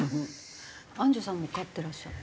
アンジュさんも飼ってらっしゃる？